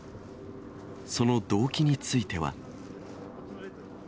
その動機については。